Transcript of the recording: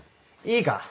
いいか！